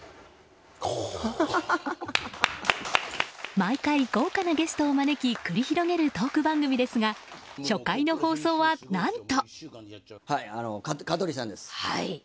毎回豪華なゲストを招き繰り広げるトーク番組ですが初回の放送は何と。